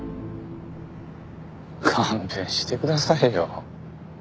勘弁してくださいよ。